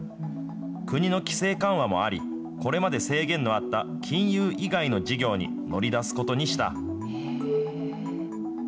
国の規制緩和もあり、これまで制限のあった金融以外の事業に乗り出すことにした。